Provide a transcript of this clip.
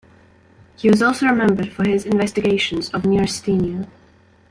He is also remembered for his investigations of neurasthenia.